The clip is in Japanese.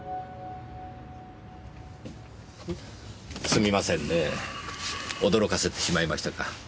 すみませんねぇ驚かせてしまいましたか。